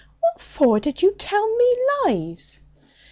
'What for did you tell me lies?'